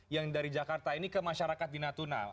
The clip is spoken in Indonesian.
yang dari jakarta ini ke masyarakat di natuna